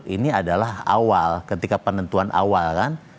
ini adalah awal ketika penentuan awal kan